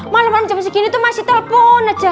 malam malam jam segini tuh masih telepon aja